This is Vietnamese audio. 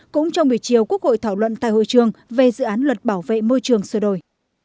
cũng trong buổi chiều quốc hội thảo luận tại hội trường về dự án luật bảo vệ môi trường sửa đổi